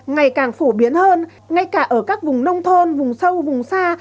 ngày càng phổ biến hơn ngay cả ở các vùng nông thôn vùng sâu vùng xa